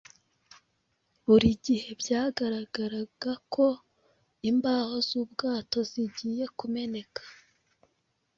Buri gihe byagaragaraga ko imbaho z’ubwato zigiye kumeneka